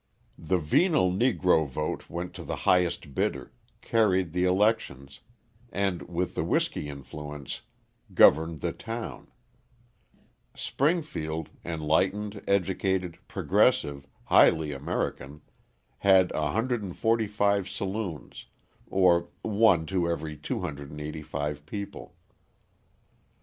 The venal Negro vote went to the highest bidder, carried the elections, and, with the whiskey influence, governed the town. Springfield, enlightened, educated, progressive, highly American, had 145 saloons or one to every 285 people.